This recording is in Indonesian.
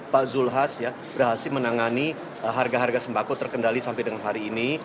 pak zulkifli hasan berhasil menangani harga harga sembako terkendali sampai hari ini